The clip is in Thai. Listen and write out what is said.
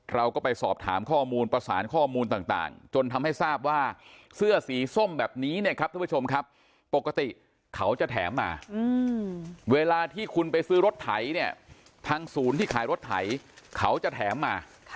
เราก็ไปสอบถามข้อมูลประสานข้อมูลต่างจนทำให้ทราบว่าเสื้อสีส้มแบบนี้เนี่ยครับทุกผู้ชมครับปกติเขาจะแถมมาเวลาที่คุณไปซื้อรถไถเนี่ยทางศูนย์ที่ขายรถไถเขาจะแถมมา